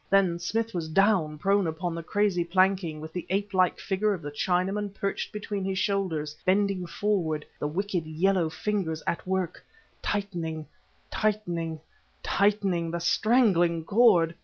Then Smith was down, prone upon the crazy planking, with the ape like figure of the Chinaman perched between his shoulders bending forward the wicked yellow fingers at work, tightening tightening tightening the strangling cord!